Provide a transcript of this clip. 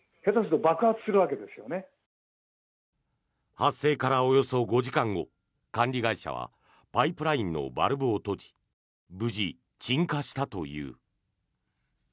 発生からおよそ５時間後管理会社はパイプラインのバルブを閉じ無事、鎮火したという。